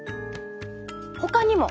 ほかにも！